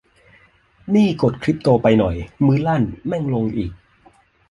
นี่กดคริปโตไปหน่อย มือลั่น แม่งลงอีก